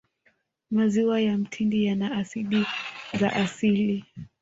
maziwa ya mtindi yana asidi za asili